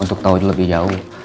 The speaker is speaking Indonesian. untuk tahu lebih jauh